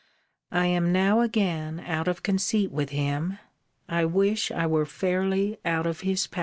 I am now again out of conceit with him. I wish I were fairly out of his power.